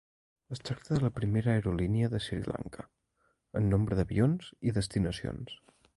Es tracta de la primera aerolínia de Sri Lanka en nombre d'avions i destinacions.